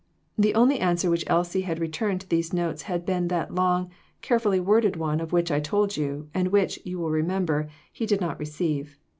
The only answer which Elsie had returned to these notes had been that long, carefully worded one of which I told you, and which, you will remember, he did not receive.